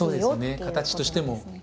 形としても。